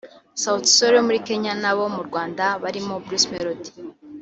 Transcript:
Sauti Sol yo muri Kenya n’abo mu Rwanda barimo Bruce Melodie